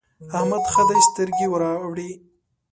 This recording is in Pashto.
احمد ښه دی؛ سترګې ور اوړي.